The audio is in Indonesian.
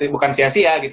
bukan sia sia gitu